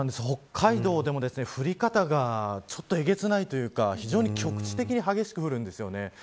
北海道でも降り方がちょっとえげつないというか非常に局地的に激しく降るんです。